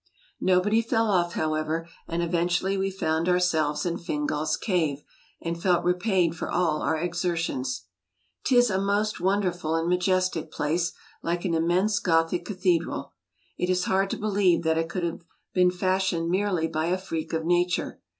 Nobody fell off, however, and eventually we found ourselves in Fingal's Cave, and felt repaid for all our exer> tions. 'Tis a most wonderful and majestic place, like an im mense Gothic cathedral. It is hard to believe that it could have been fashioned merely by a freak of nature.